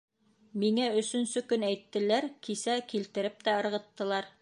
Миңә өсөнсө көн әйттеләр, кисә килтереп тә ырғыттылар.